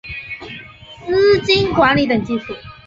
资金管理等技术